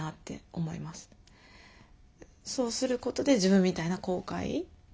そうすることで自分みたいな後悔。